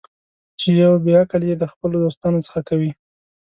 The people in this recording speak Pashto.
چې یو بې عقل یې د خپلو دوستانو څخه کوي.